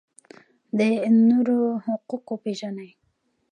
د نورو حقوق وپیژنئ